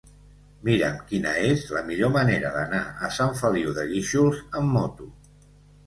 Mira'm quina és la millor manera d'anar a Sant Feliu de Guíxols amb moto.